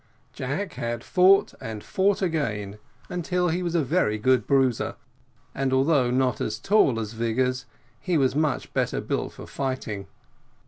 Jack had fought and fought again, until he was a very good bruiser, and although not so tall as Vigors, he was much better built for fighting.